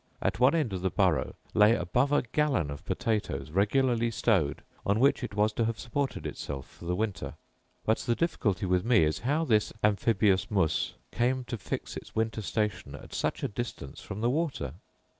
At one end of the burrow lay above a gallon of potatoes regularly stowed, on which it was to have supported itself for the winter. But the difficulty with me is how this amphibius mus came to fix its winter station at such a distance from the water.